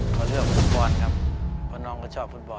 เขาเลือกฟุตบอลครับเพราะน้องเขาชอบฟุตบอล